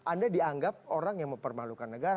anda dianggap orang yang mempermalukan negara